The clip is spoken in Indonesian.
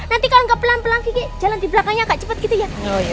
nanti kalau gak pelan pelan kiki jalan di belakangnya agak cepet gitu ya